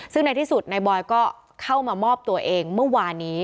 ซึ่งในที่สุดนายบอยก็เข้ามามอบตัวเองเมื่อวานนี้